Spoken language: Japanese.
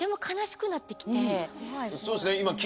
そうですね今。